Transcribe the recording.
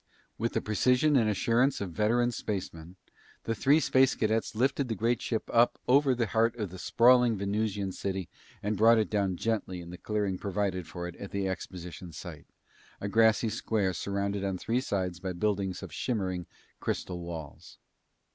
With the precision and assurance of veteran spacemen, the three Space Cadets lifted the great ship up over the heart of the sprawling Venusian city and brought it down gently in the clearing provided for it at the exposition site, a grassy square surrounded on three sides by buildings of shimmering crystal walls.